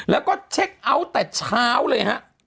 แล้วก็เช็คเอาท์แต่เช้าเลยฮะ